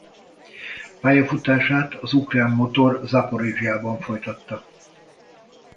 Pályafutását az ukrán Motor Zaporizzsjában folytatta.